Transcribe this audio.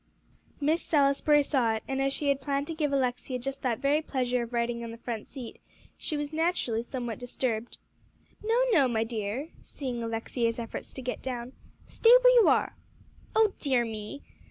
Miss Salisbury saw it; and as she had planned to give Alexia just that very pleasure of riding on the front seat, she was naturally somewhat disturbed. "No, no, my dear," seeing Alexia's efforts to get down, "stay where you are." "Oh dear me!"